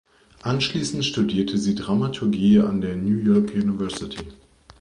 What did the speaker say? Anschließend studierte sie Dramaturgie an der New York University.